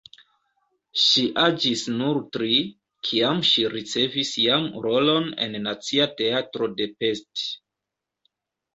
Ŝi aĝis nur tri, kiam ŝi ricevis jam rolon en Nacia Teatro de Pest.